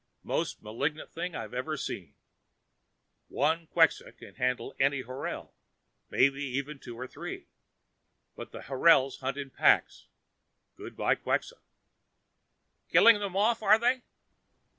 Most malignant things I've seen. One Quxa can handle any horal, maybe even two or three. But the horals hunt in packs. Good by Quxa." "Killing them off, are they?"